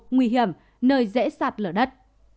nguy hiểm nơi dễ sạt lở đất